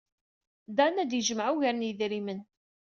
Dan ad yejmeɛ ugar n yedrimen.